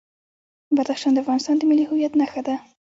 بدخشان د افغانستان د ملي هویت نښه ده.